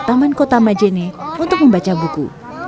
taman kota majene untuk membaca buku